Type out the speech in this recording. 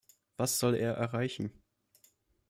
Was soll er erreichen?